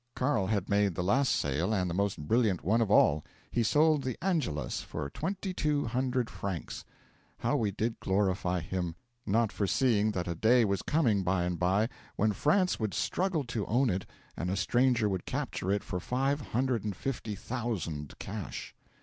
Carl had made the last sale and the most brilliant one of all. He sold the "Angelus" for twenty two hundred francs. How we did glorify him! not foreseeing that a day was coming by and by when France would struggle to own it and a stranger would capture it for five hundred and fifty thousand, cash.